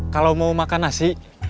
kalau mau makan nasi